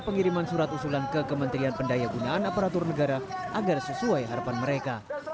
pengiriman surat usulan ke kementerian pendaya gunaan aparatur negara agar sesuai harapan mereka